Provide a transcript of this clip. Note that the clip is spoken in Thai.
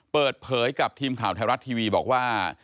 เปิดเผยกับทีมข่าวไทยรัฐทีวีบอกว่า